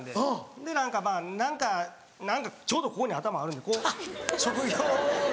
で何かまぁ何かちょうどここに頭あるんでこう職業柄。